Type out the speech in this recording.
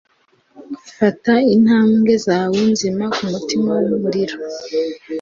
fata intambwe zawe nzima kumutima wumuriro